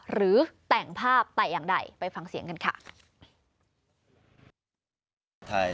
หรือแต่งภาพแต่อย่างใดไปฟังเสียงกันค่ะ